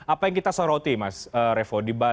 apa yang kita soroti mas revo